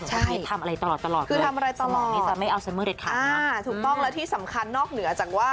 ไม่ทำอะไรตลอดเลยคือทำอะไรตลอดถูกต้องแล้วที่สำคัญนอกเหนือจากว่า